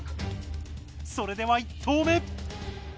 それでは１投目。